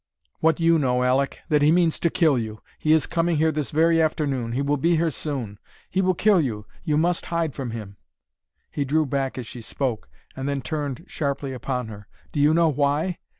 "What you know, Aleck that he means to kill you. He is coming here this very afternoon he will be here soon he will kill you. You must hide from him!" He drew back as she spoke, and then turned sharply upon her. "Do you know why?